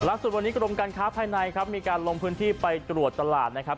สุดวันนี้กรมการค้าภายในครับมีการลงพื้นที่ไปตรวจตลาดนะครับ